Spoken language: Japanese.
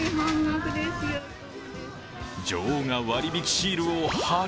女王が割引シールを貼る！